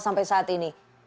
sampai saat ini